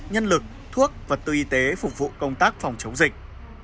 nhân lực thuốc vật tư y tế phục vụ công tác phòng chống dịch